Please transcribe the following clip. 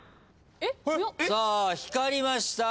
さあ光りました。